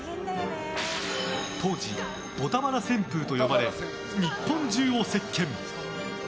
当時、「ボタバラ」旋風と呼ばれ日本中を席巻。